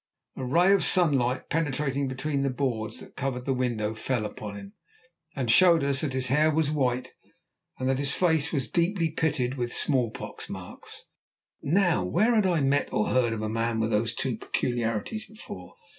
A ray of sunlight, penetrating between the boards that covered the window, fell upon him, and showed us that his hair was white and that his face was deeply pitted with smallpox marks. Now, where had I met or heard of a man with those two peculiarities before?